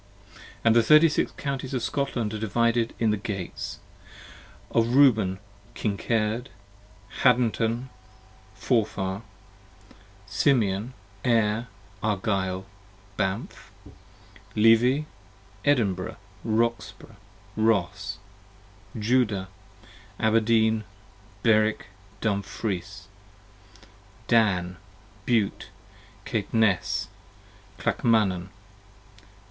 And the Thirty six Counties of Scotland, divided in the Gates : Of Reuben, Kincard, Haddntn, Forfar. Simeon, Ayr, Argyll, Banff. Levi, Edinburh, Roxbro, Ross. Judah, Abrdeen, Berwik, Dumfries. 55 Dan, Bute, Caitnes, Clakmanan.